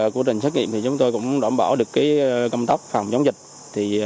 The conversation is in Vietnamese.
quá trình xét nghiệm thì chúng tôi cũng đảm bảo được cơm tóc phòng chống dịch